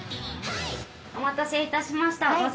お待たせいたしました。